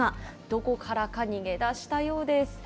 どこからか逃げ出したようです。